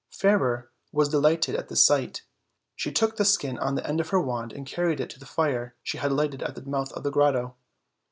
Fairer was delighted at this sight; she took the skin on the end of her wand, and carried it to the fire she had lighted at the mouth of the grotto.